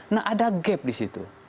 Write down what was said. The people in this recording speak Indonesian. nah ada gap di situ